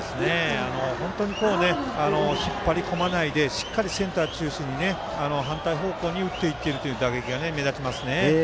本当に引っ張り込まないでしっかりセンター中心に反対方向に打っていっているという打撃が目立ちますね。